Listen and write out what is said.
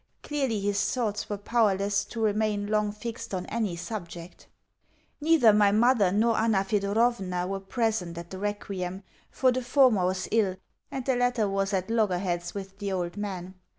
Clearly his thoughts were powerless to remain long fixed on any subject. Neither my mother nor Anna Thedorovna were present at the requiem, for the former was ill and the latter was at loggerheads with the old man.